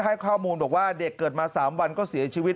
ให้ข้อมูลบอกว่าเด็กเกิดมา๓วันก็เสียชีวิต